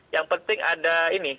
yang penting ada ini